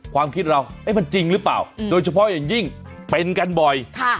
ความคิดเรามันจริงหรือเปล่าโดยเฉพาะอย่างยิ่งเป็นกันบ่อย